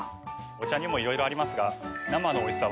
お茶にもいろいろありますが。